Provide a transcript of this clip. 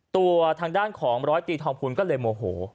ตัวทางด้านของร้อยตีทองพูลก็เลยโมโห